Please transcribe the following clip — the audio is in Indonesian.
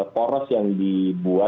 poros yang diperhatikan itu adalah